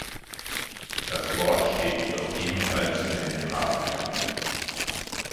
Das Wort steht jedoch ebenfalls für den „Grabhügel“.